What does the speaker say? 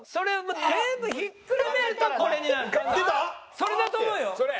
それだと思うよ。